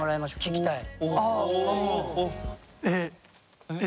聞きたい。